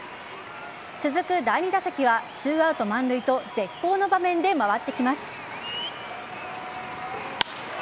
続く第２打席は２アウト満塁と絶好の場面で回ってきます。